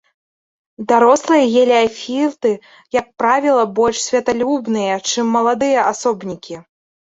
Дарослыя геліяфіты, як правіла, больш святлалюбныя, чым маладыя асобнікі.